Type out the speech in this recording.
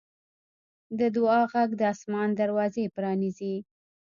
د دعا غږ د اسمان دروازې پرانیزي.